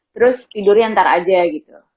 terus tidurnya ntar aja gitu